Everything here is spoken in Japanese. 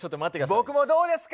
僕もどうですか？